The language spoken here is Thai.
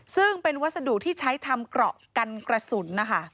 ซึ่งเป็นวัสดุที่ใช้ทำเกราะกันกระสุนนะคะ